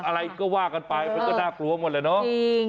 อะไรก็ว่ากันไปมันก็น่ากลัวหมดแหละเนาะจริง